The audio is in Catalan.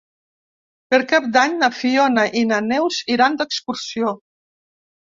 Per Cap d'Any na Fiona i na Neus iran d'excursió.